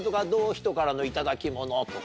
人からの頂き物とか。